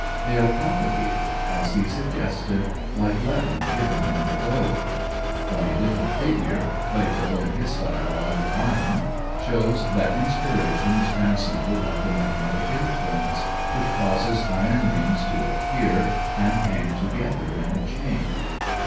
They are propagated, as he suggested, like leaven hidden in the dough. By a different figure, Plato, in his dialogue of Ion, shows that inspiration is transmitted like the magnetic influence, which causes iron rings to adhere and hang together in a chain.